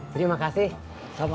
terima kasih sama sama